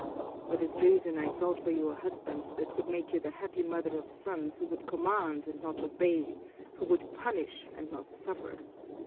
For this reason I sought for you a husband that could make you the happy mother of sons who would command and not obey, who would punish and not suffer.